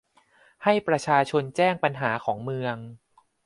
ให้ประชาชนแจ้งปัญหาของเมือง